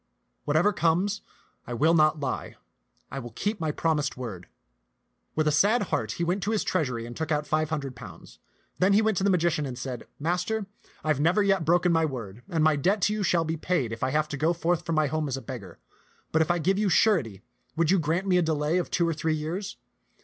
Whatever comes, I will not lie; I will keep my promised word." With a sad heart he went to his treasury and took out five hundred pounds. Then he went to the magi cian and said, " Master, I have never yet broken my word, and my debt to you shall be paid if I have to go forth from my home as a beggar ; but if I give you surety, would you grant me a delay of two or three years?